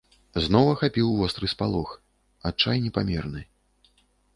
Зноў ахапіў востры спалох, адчай непамерны.